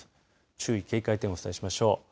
注意、警戒点お伝えしましょう。